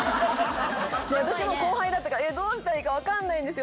で私も後輩だったから「どうしたらいいか分かんないんですよ